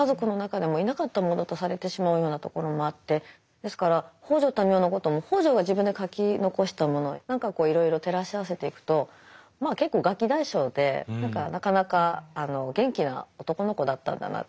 ですから北條民雄のことも北條が自分で書き残したものなんかをいろいろ照らし合わせていくとまあ結構ガキ大将でなかなか元気な男の子だったんだなって。